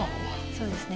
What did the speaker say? そうですね。